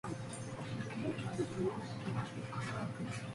矮形光巾草为马钱科光巾草属下的一个种。